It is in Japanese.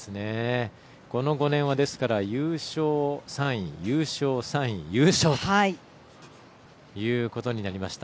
この５年は優勝、３位、優勝、３位優勝ということになりました。